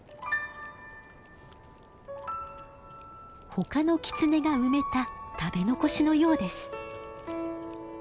他のキツネが埋めた食べ残しのようです。